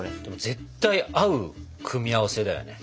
絶対合う組み合わせだよね。